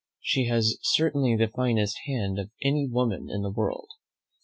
She has certainly the finest hand of any woman in the world.